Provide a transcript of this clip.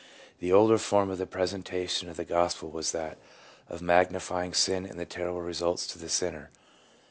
The older form of the presentation of the Gospel was that of magnifying sin and the terrible results to the sinner.